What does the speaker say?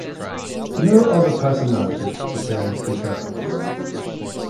No other personage has its appearance confirmed.